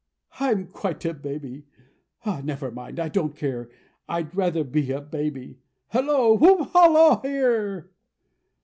I'm quite a baby. Never mind. I don't care. I'd rather be a baby. Hallo! Whoop! Hallo here!"